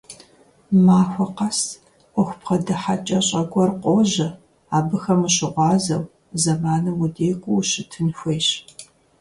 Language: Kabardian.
Махуэ къэс Ӏуэху бгъэдыхьэкӀэщӀэ гуэр къожьэ, абыхэм ущыгъуазэу, зэманым удекӀуу ущытын хуейщ.